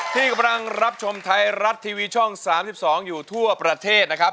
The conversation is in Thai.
ที่กำลังรับชมไทยรัฐทีวีช่อง๓๒อยู่ทั่วประเทศนะครับ